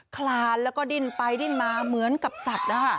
คลานแล้วก็ดิ้นไปดิ้นมาเหมือนกับสัตว์นะคะ